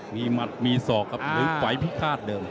มีมัดติดมีศอกแฟลวิเคราะห์เดิม